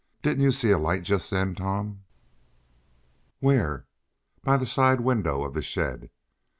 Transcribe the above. "Didn't you see a light just then, Tom?" "Where?" "By the side window of the shed?"